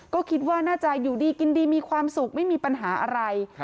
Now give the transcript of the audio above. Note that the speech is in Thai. ก็คิดว่าน่าจะอยู่ดีกินดีมีความสุขไม่มีปัญหาอะไร